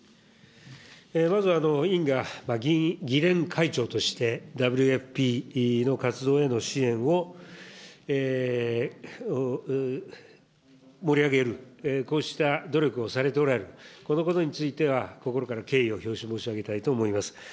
まず、委員が議連会長としてＷＦＰの活動への支援を盛り上げる、こうした努力をされておられる、このことについては、心から敬意を表し申し上げたいと思います。